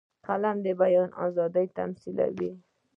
قلم د بیان آزادي تمثیلوي